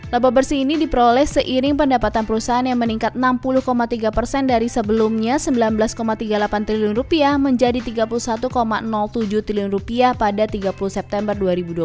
laba bersih ini diperoleh seiring pendapatan perusahaan yang meningkat enam puluh tiga persen dari sebelumnya rp sembilan belas tiga puluh delapan triliun menjadi rp tiga puluh satu tujuh triliun rupiah pada tiga puluh september dua ribu dua puluh